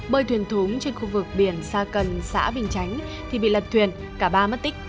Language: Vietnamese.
bơi thuyền thúng trên khu vực biển sa cần xã bình chánh thì bị lật thuyền cả ba mất tích